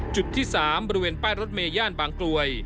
จุดที่๓บริเวณป้ายรถเมย่านบางกลวย